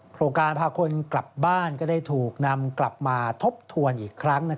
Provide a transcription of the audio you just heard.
โครงการพาคนกลับบ้านก็ได้ถูกนำกลับมาทบทวนอีกครั้ง